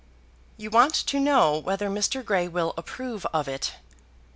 You want to know whether Mr. Grey will approve of it.